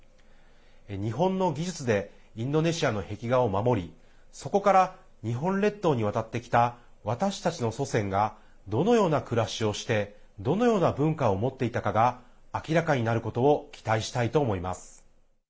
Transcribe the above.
日本の技術でインドネシアの壁画を守りそこから日本列島に渡ってきた私たちの祖先がどのような暮らしをしてどのような文化を持っていたかが明らかになることを期待したいと思います。